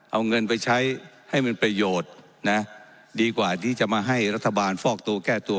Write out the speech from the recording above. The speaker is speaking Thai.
เอาเงินไปใช้ให้มันประโยชน์นะดีกว่าที่จะมาให้รัฐบาลฟอกตัวแก้ตัว